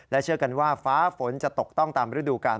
เชื่อกันว่าฟ้าฝนจะตกต้องตามฤดูกาล